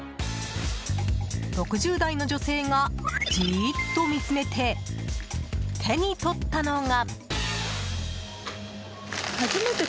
６０代の女性がじーっと見つめて手に取ったのが。